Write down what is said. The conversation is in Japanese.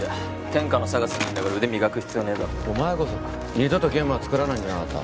天下のＳＡＧＡＳにいんだから腕磨く必要ねえだろお前こそ二度とゲームは作らないんじゃなかった？